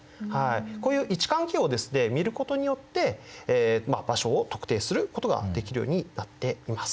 こういう位置関係をですね見ることによって場所を特定することができるようになっています。